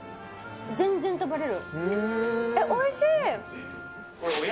全然食べれる。